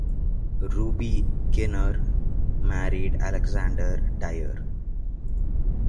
Ruby Ginner married Alexander Dyer.